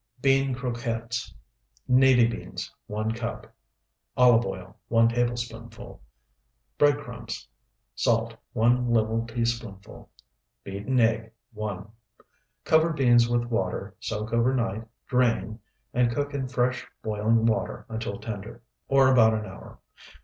BEAN CROQUETTES Navy beans, 1 cup. Olive oil, 1 tablespoonful. Bread crumbs. Salt, 1 level teaspoonful. Beaten egg, 1. Cover beans with water, soak overnight, drain, and cook in fresh boiling water until tender, or about an hour.